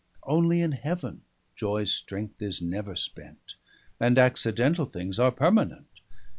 Only in Heaven joyes strength is never spent; And accidentall things are permanent.